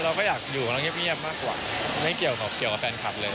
เราก็อยากอยู่ข้างล่างเงียบมากกว่าไม่เกี่ยวกับแฟนคลับเลย